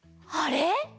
あれ？